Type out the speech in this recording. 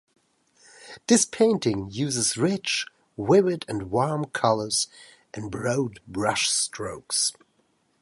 This painting uses rich, vivid and warm colours, and broad brushstrokes.